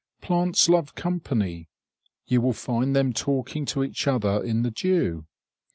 Plants love company; you will find them talking to each other in the dew.